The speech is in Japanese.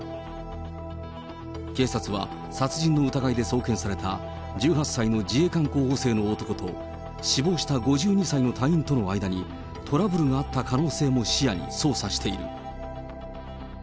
警察は殺人の疑いで送検された１８歳の自衛官候補生の男と、死亡した５２歳の隊員との間にトラブルがあった可能性も視野に捜査している。